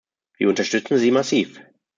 Wir unterstützen sie massiv.